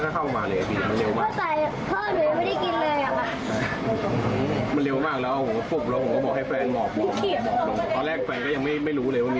ก็ยังหัวเราะอยู่เลยคิดว่าผมเป็นอะไร